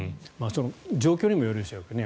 状況にもよるでしょうけどね。